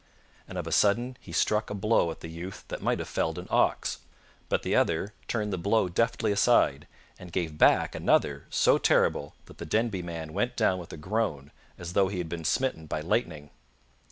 And of a sudden he struck a blow at the youth that might have felled an ox. But the other turned the blow deftly aside, and gave back another so terrible that the Denby man went down with a groan, as though he had been smitten by lightning.